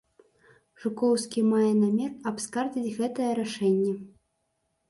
Жукоўскі мае намер абскардзіць гэтае рашэнне.